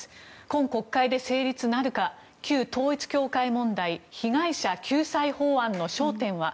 今国会で成立なるか旧統一教会問題被害者救済法案の焦点は？